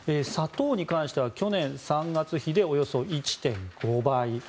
砂糖に関しては去年３月比でおよそ１．５倍。